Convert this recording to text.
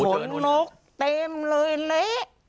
ขนนกเต็มเลยเลย